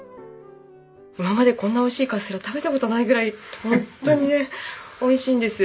今までこんなおいしいカステラ食べた事ないぐらいホントにおいしいんです。